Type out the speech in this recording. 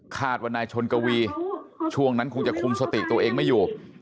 คาดว่านายชนกวีช่วงนั้นคงจะคุมสติตัวเองไม่อยู่